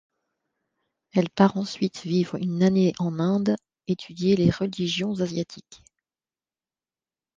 Elle part ensuite vivre une année en Inde, étudier les religions asiatiques.